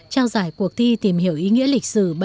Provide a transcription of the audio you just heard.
trao giải cuộc thi tìm hiểu ý nghĩa lịch sử